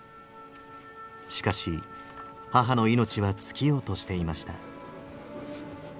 しかし母の命は尽きようとしていました。